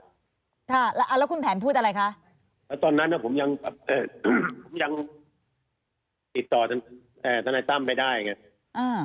ค่ะแล้วแล้วคุณแผนพูดอะไรคะตอนนั้นนะผมยังอ่าผมยังติดต่ออ่าทนายตั้มไปได้ไงอ่า